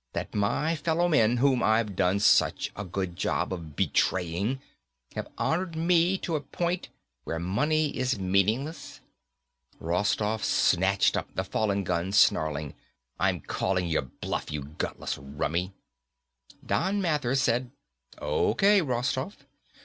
That my fellow men whom I've done such a good job of betraying have honored me to a point where money is meaningless?" Rostoff snatched up the fallen gun, snarling, "I'm calling your bluff, you gutless rummy." Don Mathers said, "Okay, Rostoff.